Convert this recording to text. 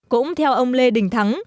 cũng theo ông lê đình thắng